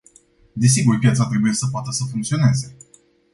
Desigur, piața trebuie să poată să funcționeze.